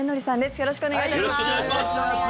よろしくお願いします。